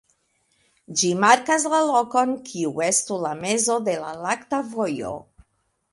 Ĝi markas la lokon kiu estu la mezo de la Lakta Vojo.